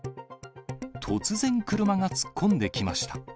突然、車が突っ込んできました。